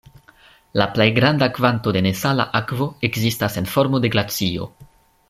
La plej granda kvanto de nesala akvo ekzistas en formo de glacio.